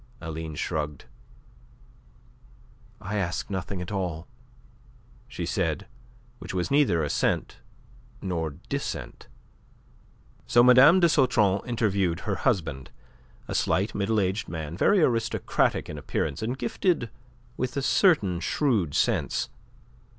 Aline shrugged. "I ask nothing at all," she said, which was neither assent nor dissent. So Mme. de Sautron interviewed her husband, a slight, middle aged man, very aristocratic in appearance and gifted with a certain shrewd sense.